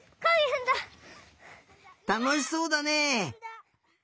たのしそうだねえ。